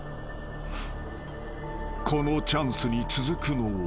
［このチャンスに続くのは］